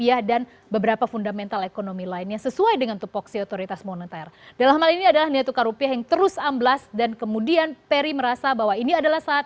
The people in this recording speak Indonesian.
ada beberapa faktor yang dicermati oleh pasar dari pasar global